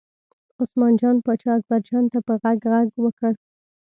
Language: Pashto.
عثمان جان پاچا اکبرجان ته په غږ غږ وکړ.